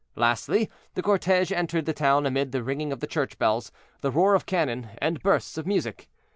Lastly, the cortege entered the town amid the ringing of the church bells, the roar of cannon, and bursts of music.